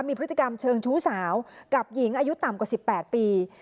มีพฤติกรรมเชิงชู้สาวกับหญิงอายุต่ำกว่า๑๘ปี